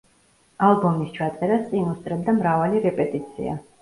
ალბომის ჩაწერას წინ უსწრებდა მრავალი რეპეტიცია.